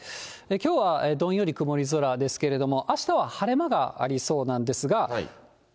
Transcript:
きょうはどんより曇り空ですけれども、あしたは晴れ間がありそうなんですが。